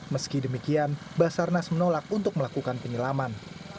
meski demikian basarnas menolak untuk melakukan penyelaman